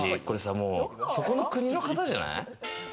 もうそこの国の方じゃない？